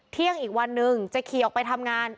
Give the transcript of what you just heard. เที่ยงอีกวันหนึ่งจะขี่ออกไปทำงาน